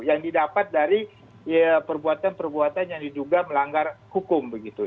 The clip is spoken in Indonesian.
yang didapat dari perbuatan perbuatan yang diduga melanggar hukum begitu